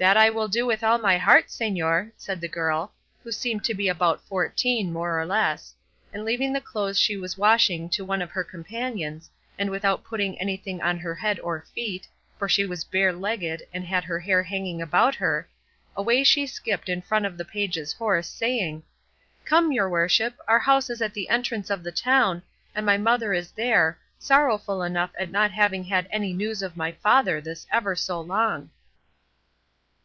"That I will with all my heart, señor," said the girl, who seemed to be about fourteen, more or less; and leaving the clothes she was washing to one of her companions, and without putting anything on her head or feet, for she was bare legged and had her hair hanging about her, away she skipped in front of the page's horse, saying, "Come, your worship, our house is at the entrance of the town, and my mother is there, sorrowful enough at not having had any news of my father this ever so long."